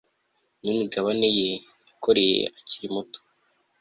n imigabane ye yakoreye akiri umusore